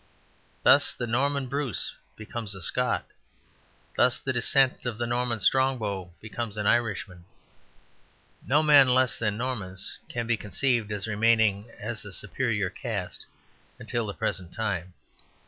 Thus the Norman Bruce becomes a Scot; thus the descendant of the Norman Strongbow becomes an Irishman. No men less than Normans can be conceived as remaining as a superior caste until the present time.